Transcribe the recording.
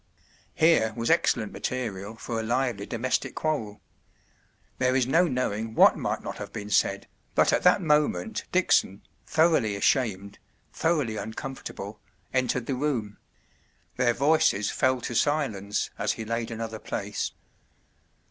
” Here was excellent material for a lively domestic quarrel. There is no knowing what might not have been said, but at that moment Dickson, thoroughly ashamed, thoroughly uncomfortable, entered the room. Their voices fell to silence as he laid another place.